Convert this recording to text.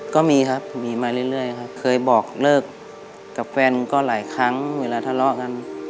ก็มีครับมีมาเรื่อยครับเคยบอกเลิกกับแฟนก็หลายครั้งเวลาทะเลาะกัน